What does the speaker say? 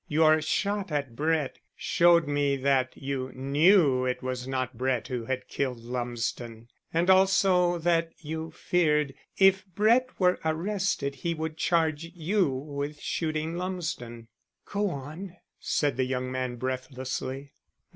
Your shot at Brett showed me that you knew it was not Brett who had killed Lumsden, and also that you feared if Brett were arrested he would charge you with shooting Lumsden." "Go on," said the young man breathlessly.